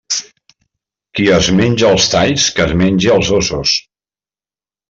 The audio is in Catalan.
Qui es menja els talls, que es menge els ossos.